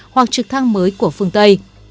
hoặc trực thăng mới của phương tây